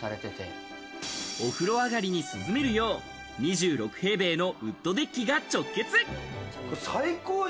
お風呂上りに涼めるよう２６平米のウッドデッキが直結。